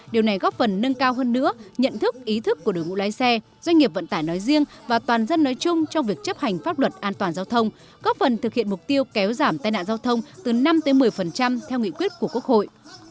điều này góp phần nâng cao hơn nữa nhận thức ý thức của đội ngũ lái xe doanh nghiệp vận tải nói riêng và toàn dân nói chung trong việc chấp hành pháp luật an toàn giao thông góp phần thực hiện mục tiêu kéo giảm tai nạn giao thông từ năm một mươi theo nghị quyết của quốc hội